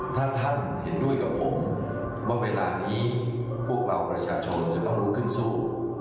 ถ้าท่านเห็นด้วยกับผมว่าเวลานี้พวกเราประชาชนจะต้องลุกขึ้นสู้